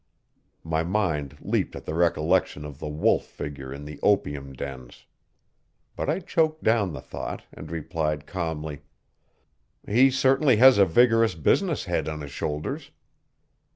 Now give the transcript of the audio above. My mind leaped at the recollection of the Wolf figure in the opium dens. But I choked down the thought, and replied calmly: "He certainly has a vigorous business head on his shoulders."